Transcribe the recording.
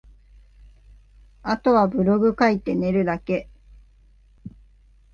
後はブログ書いて寝るだけ